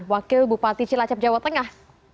wakil bupati cilacap jawa tengah